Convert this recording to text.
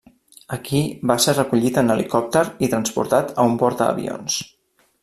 Aquí va ser recollit en helicòpter i transportat a un portaavions.